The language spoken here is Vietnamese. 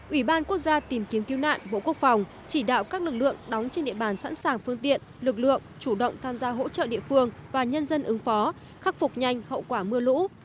ủy ban quốc gia tìm kiếm cứu nạn bộ quốc phòng chỉ đạo các lực lượng đóng trên địa bàn sẵn sàng phương tiện lực lượng chủ động tham gia hỗ trợ địa phương và nhân dân ứng phó khắc phục nhanh hậu quả mưa lũ